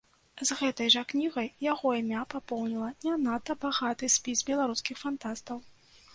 З гэтай жа кнігай яго імя папоўніла не надта багаты спіс беларускіх фантастаў.